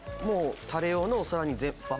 タレ用のお皿に。